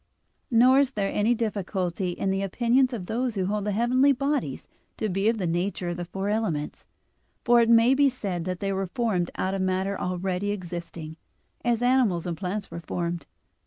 Nor is there any difficulty in the opinion of those who hold the heavenly bodies to be of the nature of the four elements, for it may be said that they were formed out of matter already existing, as animals and plants were formed.